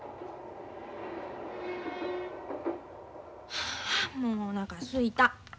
はあもうおなかすいた。